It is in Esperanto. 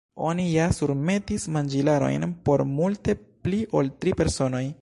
"Oni ja surmetis manĝilarojn por multe pli ol tri personoj."